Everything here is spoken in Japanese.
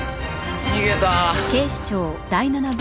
逃げた。